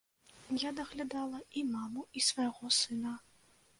Я даглядала і маму, і свайго сына.